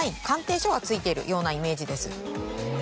鑑定書が付いているようなイメージです。